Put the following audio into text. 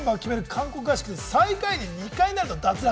韓国合宿で、最下位に２回なると脱落。